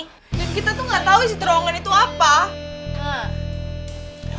dan kita tuh gak tau isi terowongan itu apa